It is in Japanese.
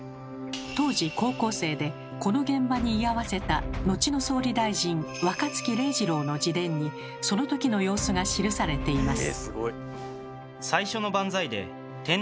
当時高校生でこの現場に居合わせたのちの総理大臣若槻礼次郎の自伝にそのときの様子が記されています。